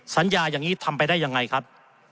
สัญญาอย่างนี้ทำไปได้ยังไงครับ